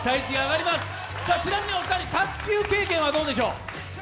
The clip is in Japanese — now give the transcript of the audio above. ちなみにお二人、卓球経験はどうでしょう。